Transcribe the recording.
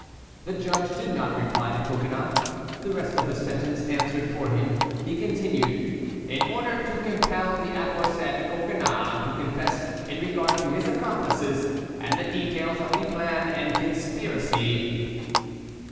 The judge did not reply to Coconnas; the rest of the sentence answered for him. He continued: "In order to compel the aforesaid Coconnas to confess in regard to his accomplices, and the details of the plan and conspiracy."